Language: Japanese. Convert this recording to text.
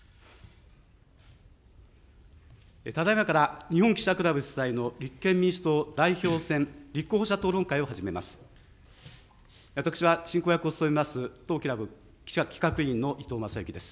ただいまから、日本記者クラブ主催の立憲民主党代表選立候補者討論会を始めます。